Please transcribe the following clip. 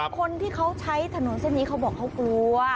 คนที่เขาใช้ถนนเส้นนี้เขาบอกเขากลัว